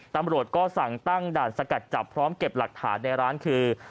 ตำรวจก็สั่งตั้งด่านสกัดจับพร้อมเก็บหลักฐานในร้านคือ